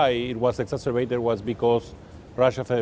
kenapa kesegahan tersebut meningkat sebelum covid sembilan belas